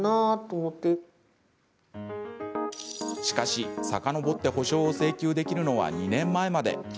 しかし、さかのぼって補償を請求できるのは２年前まで。